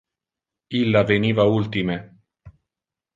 Illa veniva ultime.